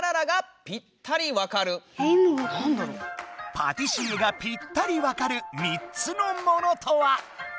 パティシエがピッタリわかる３つのものとは⁉